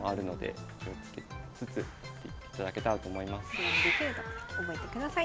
自分のできるとこだけ覚えてください。